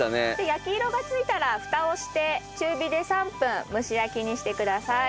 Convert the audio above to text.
焼き色がついたら蓋をして中火で３分蒸し焼きにしてください。